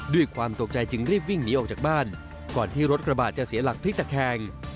ด้วยความตกใจจึงรีบวิ่งหนีออกจากบ้านก่อนที่รถกระบะจะเสียหลักพลิกตะแคง